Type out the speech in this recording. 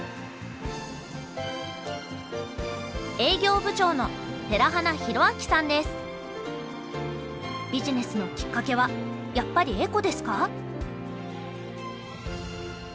営業部長のビジネスのきっかけはやっぱりエコですか？